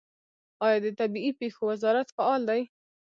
آیا د طبیعي پیښو وزارت فعال دی؟